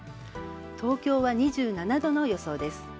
東京は２７度の予想です。